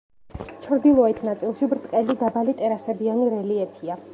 ჩრდილოეთ ნაწილში ბრტყელი დაბალი ტერასებიანი რელიეფია.